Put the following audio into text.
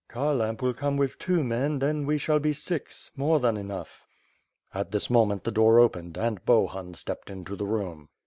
Kharlamp will come with two men; then we shall be six, more than enough." At this moment, the door opened and Bohun stepped into the room.